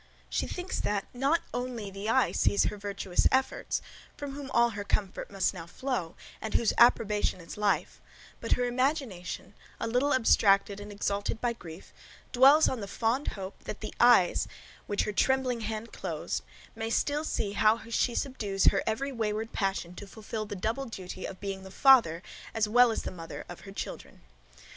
She thinks that not only the eye sees her virtuous efforts, from whom all her comfort now must flow, and whose approbation is life; but her imagination, a little abstracted and exalted by grief, dwells on the fond hope, that the eyes which her trembling hand closed, may still see how she subdues every wayward passion to fulfil the double duty of being the father as well as the mother of her children.